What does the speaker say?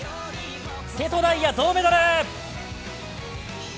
瀬戸大也、銅メダル！